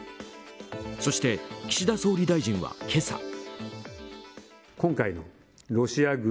そして岸田総理大臣は今朝。